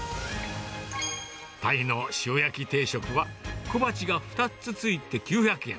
タイの塩焼き定食は、小鉢が２つ付いて９００円。